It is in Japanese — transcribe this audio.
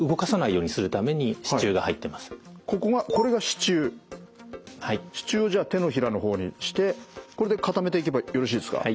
支柱をじゃあ手のひらの方にしてこれで固めていけばよろしいですか？